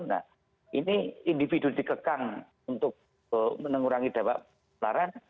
nah ini individu dikekang untuk menurangi dampak pelaran